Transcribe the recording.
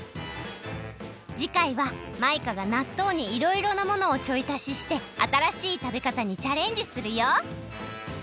じかいはマイカがなっとうにいろいろなものをちょいたししてあたらしいたべかたにチャレンジするよ！